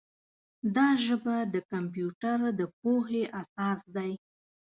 دا ژبه د کمپیوټر د پوهې اساس دی.